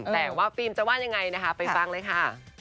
แต่ว่าฟิล์มจะว่ายังไงนะคะไปฟังเลยค่ะ